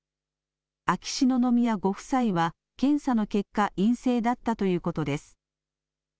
秋篠宮ご夫妻は検査の結果、陰性だったということです。